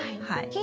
はい。